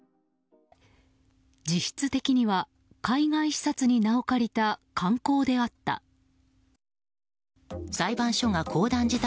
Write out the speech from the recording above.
実質的には海外視察に名を借りた観光であった。